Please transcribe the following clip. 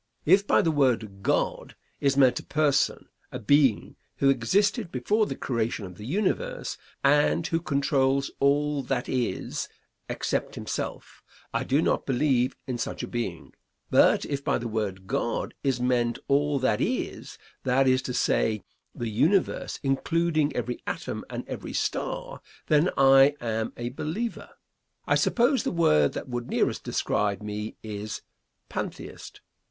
If by the word "God" is meant a person, a being, who existed before the creation of the universe, and who controls all that is, except himself, I do not believe in such a being; but if by the word God is meant all that is, that is to say, the universe, including every atom and every star, then I am a believer. I suppose the word that would nearest describe me is "Pantheist."